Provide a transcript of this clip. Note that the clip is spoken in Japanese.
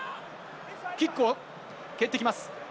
キックを蹴ってきます。